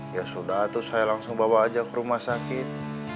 ya sudah terus saya langsung bawa aja ke rumah sakit